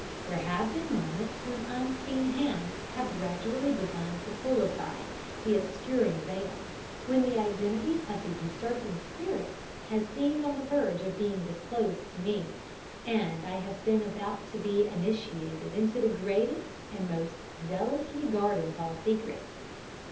There have been moments when unseen hands have gradually begun to pull aside the obscuring veil, when the identity of the usurping spirit has seemed on the verge of being disclosed to me, and I have been about to be initiated into the greatest and most zealously guarded of all secrets.